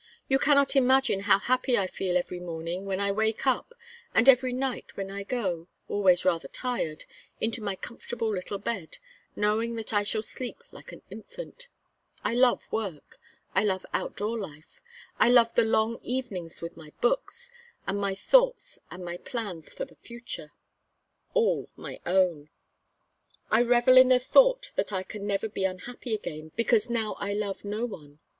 You cannot imagine how happy I feel every morning when I wake up, and every night when I go, always rather tired, into my comfortable little bed, knowing that I shall sleep like an infant. I love work. I love out door life. I love the long evenings with my books and my thoughts, and my plans for the future all my own. I revel in the thought that I can never be unhappy again, because now I love no one.